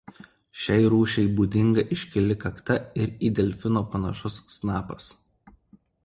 Šiai rūšiai būdinga iškili kakta ir į delfino panašus snapas.